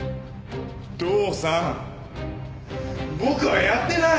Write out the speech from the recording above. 父さん僕はやってない！